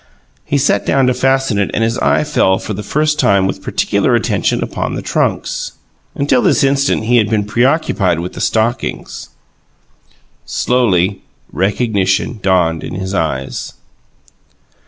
He sat down to fasten it and his eye fell for the first time with particular attention upon the trunks. Until this instant he had been preoccupied with the stockings. Slowly recognition dawned in his eyes.